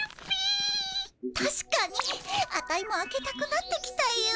たしかにアタイも開けたくなってきたよ。